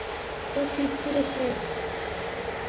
کھو سی فُورے کھیرس